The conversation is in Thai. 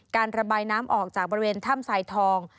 การระบายน้ำออกจากบริเวณถ้ำสายทอง